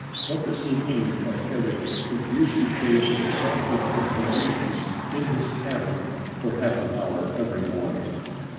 What does he mean by having the greasy faced sergeant of marines in his cabin for half an hour every morning?